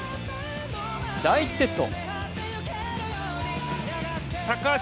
第１セット。